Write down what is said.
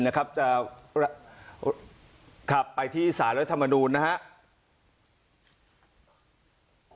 ในสารรัฐธรรมนูร